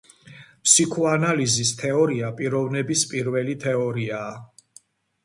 ფსიქოანალიზის თეორია პიროვნების პირველი თეორიაა.